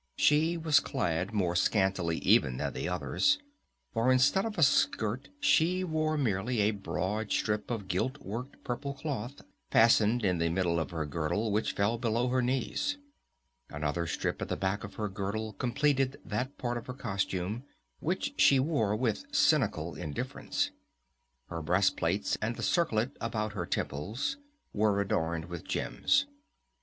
She was clad more scantily even than the others; for instead of a skirt she wore merely a broad strip of gilt worked purple cloth fastened to the middle of her girdle which fell below her knees. Another strip at the back of her girdle completed that part of her costume, which she wore with a cynical indifference. Her breast plates and the circlet about her temples were adorned with gems.